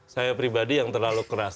saya pribadi yang terlalu keras